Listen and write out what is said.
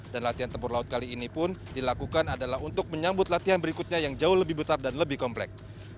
dan latihan tempur laut kali ini pun dilakukan adalah untuk menyambut latihan berikutnya yang jauh lebih besar dan lebih komplek